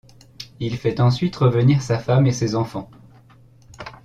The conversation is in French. Il fait ensuite revenir sa femme et ses enfants.